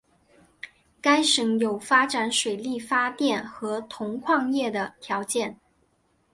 该省有发展水力发电和铜矿业的条件。